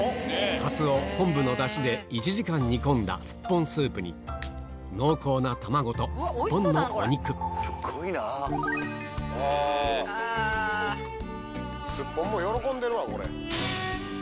かつお昆布のダシで１時間煮込んだすっぽんスープに濃厚な卵とすっぽんのお肉すっぽんも喜んでるわ。